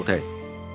công hiến hết bình